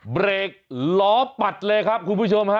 เบรกล้อปัดเลยครับคุณผู้ชมฮะ